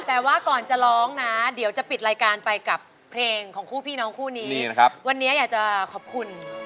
แต่ว่าก่อนจะร้องนะเดี๋ยวจะปิดรายการไปกับเพลงของคู่พี่น้องคู่นี้นะครับวันนี้อยากจะขอบคุณ